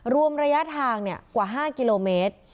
รวมระยะทางกว่า๕กิโลเมตร